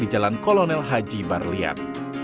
di jalan kolonel haji barlian